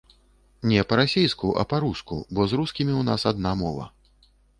Не па-расейску, а па-руску, бо з рускімі ў нас адна мова.